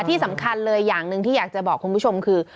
ที่สำคัญเลยอย่างหนึ่งที่อยากจะบอกคุณผู้ชมคือ